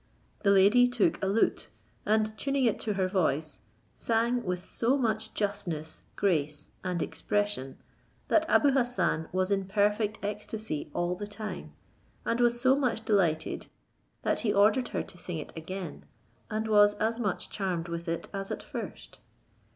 The lady took a lute, and tuning it to her voice, sung with so much justness, grace, and expression, that Abou Hassan was in perfect ecstasy all the time, and was so much delighted, that he ordered her to sing it again, and was as much charmed with it as at first.